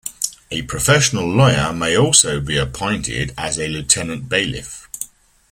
A professional lawyer may also be appointed as a Lieutenant Bailiff.